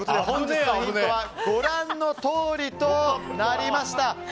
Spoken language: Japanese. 本日のヒントはご覧のとおりとなりました。